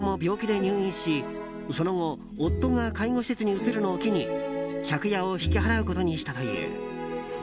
２人とも病気で入院し、その後夫が介護施設に移るのを機に借家を引き払うことにしたという。